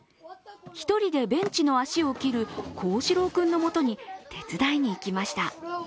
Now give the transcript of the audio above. １人でベンチの足を切る光志朗君のもとに手伝いに行きました。